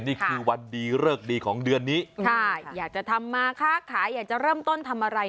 นี่คือวันดีเลิกดีของเดือนนี้ค่ะอยากจะทำมาค้าขายอยากจะเริ่มต้นทำอะไร